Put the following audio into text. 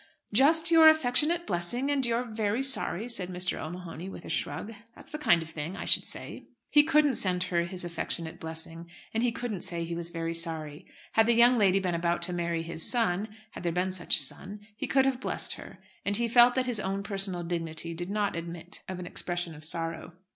"Just your affectionate blessing, and you're very sorry," said Mr. O'Mahony, with a shrug. "That's the kind of thing, I should say." He couldn't send her his affectionate blessing, and he couldn't say he was very sorry. Had the young lady been about to marry his son, had there been such a son, he could have blessed her; and he felt that his own personal dignity did not admit of an expression of sorrow.